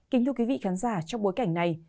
kính thưa quý vị khán giả trong bối cảnh này